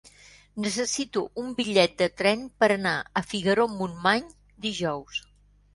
Necessito un bitllet de tren per anar a Figaró-Montmany dijous.